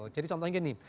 jadi contohnya gini